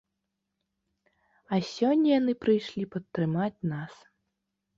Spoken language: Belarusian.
А сёння яны прыйшлі падтрымаць нас!